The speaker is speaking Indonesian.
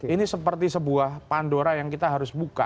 ini seperti sebuah pandora yang kita harus buka